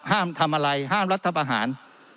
ห้ามทำอะไรห้ามรัฐประหาร